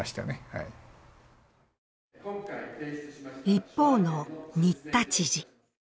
一方の新田知事。